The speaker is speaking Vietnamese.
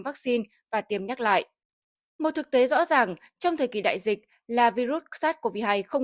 vaccine và tiêm nhắc lại một thực tế rõ ràng trong thời kỳ đại dịch là virus sars cov hai không